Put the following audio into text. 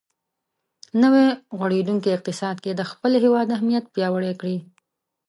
نوی غوړېدونکی اقتصاد کې د خپل هېواد اهمیت پیاوړی کړي.